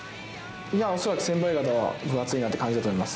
恐らく先輩方は分厚いなって感じていると思います。